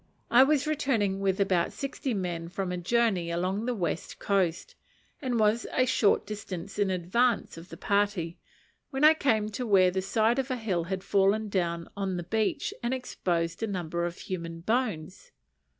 I was returning with about sixty men from a journey along the west coast, and was a short distance in advance of the party, when I came to where the side of a hill had fallen down on to the beach and exposed a number of human bones.